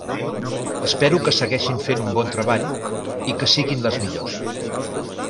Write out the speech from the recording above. Espero que segueixin fent un bon treball i que siguin les millors.